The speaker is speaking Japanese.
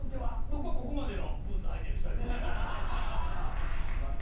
僕はここまでのブーツ履いてる人です。